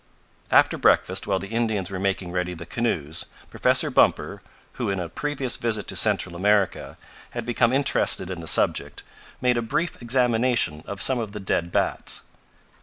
After breakfast, while the Indians were making ready the canoes, Professor Bumper, who, in a previous visit to Central America, had become interested in the subject, made a brief examination of some of the dead bats.